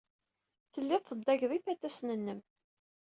Telliḍ teddageḍ ifatasen-nnem.